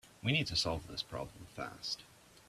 We need to solve this problem fast.